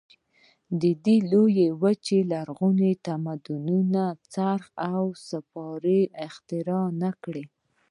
د دې لویې وچې لرغونو تمدنونو څرخ او سپاره اختراع نه کړل.